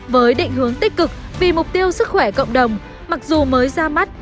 với định hướng tích cực vì mục tiêu sức khỏe cộng đồng mặc dù mới ra mắt